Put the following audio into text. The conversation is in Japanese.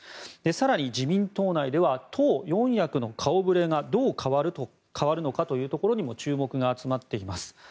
更に、自民党内では党四役の顔ぶれがどう変わるのかというところにも注目が集まっています。